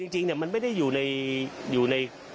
จริงมันไม่ได้อยู่ใน